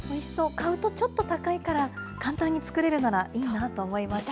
買うとちょっと高いから、簡単に作れるならいいなと思いました。